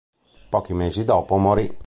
Pochi mesi dopo morì.